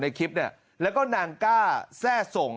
คลิปเนี่ยแล้วก็นางก้าแทร่ส่ง